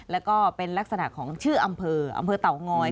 แล้วก็เป็นลักษณะของชื่ออำเภออำเภอเต่างอย